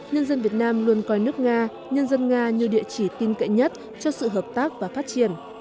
nhân dân việt nam luôn coi nước nga nhân dân nga như địa chỉ tin cậy nhất cho sự hợp tác và phát triển